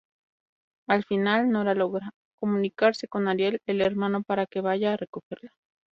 Al final, Nora logra comunicarse con Ariel, el hermano, para que vaya a recogerla.